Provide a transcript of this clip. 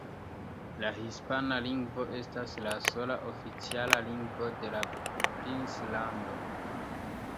La hispana lingvo estas la sola oficiala lingvo de la Princlando.